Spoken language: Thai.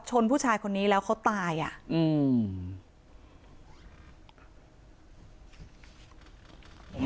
ชนผู้ชายคนนี้แล้วเขาตายอ่ะอืม